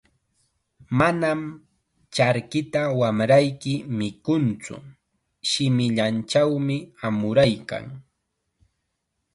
"Manam charkita wamrayki mikuntsu, shimillanchawmi amuraykan."